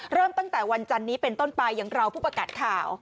เริ่มตั้งแต่วันจันนี้เป็นต้นไปอย่างเราผู้ประกาศข่าว